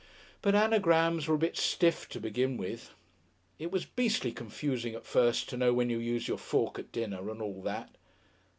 But Anagrams were a bit stiff to begin with! It was beastly confusing at first to know when to use your fork at dinner, and all that.